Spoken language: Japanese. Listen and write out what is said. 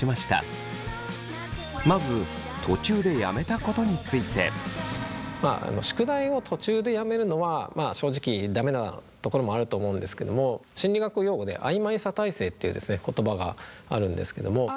まずまあ宿題を途中でやめるのはまあ正直駄目なところもあると思うんですけども。っていう言葉があるんですけども。